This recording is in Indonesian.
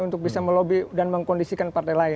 untuk bisa melobi dan mengkondisikan partai lain